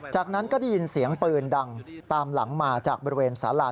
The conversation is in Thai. จากนั้นก็ได้ยินเสียงปืนดังตามหลังมาจากบริเวณสารา